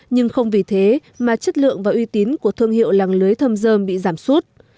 nhưng không vì thế mà chất lượng và uy tín của thương hiệu làng lưới thâm dơm bị giảm sút